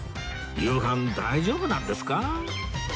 夕飯大丈夫なんですか？